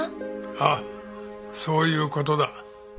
ああそういう事だ。